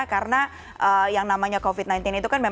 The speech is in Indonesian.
karena yang namanya covid sembilan belas itu itu mohon kesedihan pengawasan